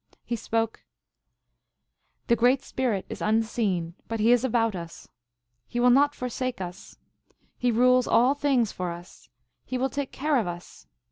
He spoke :" The Great Spirit is unseen, but he is about us. He will not forsake us. He rules all things for us. He will take care of us.